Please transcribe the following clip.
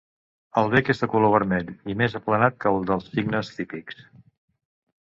El bec és de color vermell i més aplanat que el dels cignes típics.